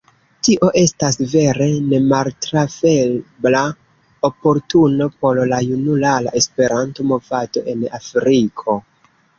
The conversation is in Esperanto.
Tio estas vere nemaltrafebla oportuno por la junulara Esperanto-movado en Afriko.